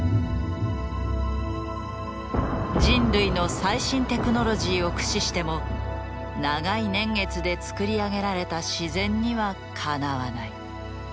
人類の最新テクノロジーを駆使しても長い年月でつくり上げられた自然にはかなわない。